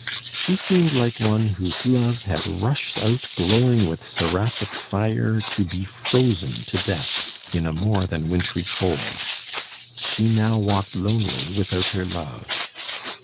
She seemed like one whose love had rushed out glowing with seraphic fire, to be frozen to death in a more than wintry cold: she now walked lonely without her love.